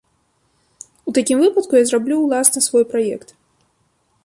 У такім выпадку я зраблю ўласна свой праект.